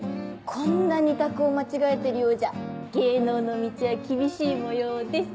こんな２択を間違えてるようじゃ芸能の道は厳しい模様です！